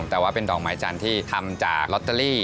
แต่ว่าเป็นดอกไม้จันทร์ที่ทำจากลอตเตอรี่